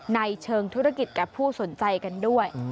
ในเชิงธุรกิจกับผู้สนใจกันด้วย